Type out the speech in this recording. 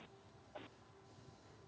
itu telah diatur dengan undang undang nomor rizal